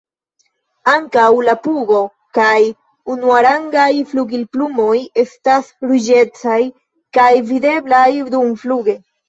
Ankaŭ la pugo kaj unuarangaj flugilplumoj estas ruĝecaj kaj videblaj dumfluge.